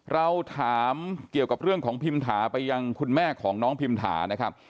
เราถามเกี่ยวกับเรื่องของพิมถาไปยังคุณแม่ของน้องพิมถานะครับ